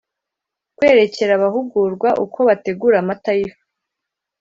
kwerekera abahugurwa uko bategura amata y ifu